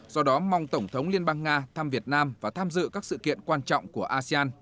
do đó mong tổng thống liên bang nga thăm việt nam và tham dự các sự kiện quan trọng của asean